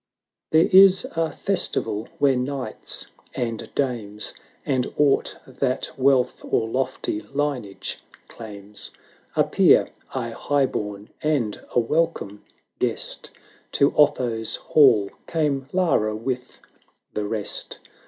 There is a festival, where knights and dames, And aught that wealth or lofty lineage claims. Appear — a high born and a welcome guest To Otho's hall came Lara with the rest.